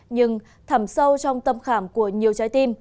nhưng thẳng sâu trong tâm khảm của nhiều trái tim